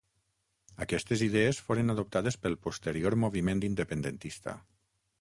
Aquestes idees foren adoptades pel posterior moviment independentista.